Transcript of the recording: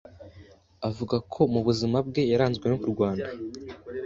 avuga ko mu buzima bwe yaranzwe no kurwana